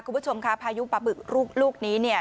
คุณผู้ชมค่ะพายุปะบึกลูกนี้เนี่ย